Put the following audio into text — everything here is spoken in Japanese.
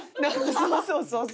そうそうそうそう。